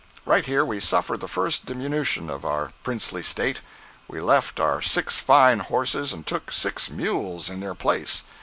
Right here we suffered the first diminution of our princely state. We left our six fine horses and took six mules in their place.